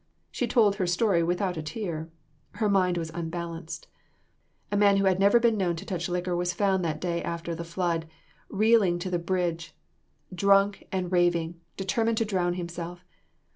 She told her story without a tear. Her mind was unbalanced. A man who had never been known to touch liquor was found the day after the flood, reeling to the bridge, drunk and raving, determined to drown himself.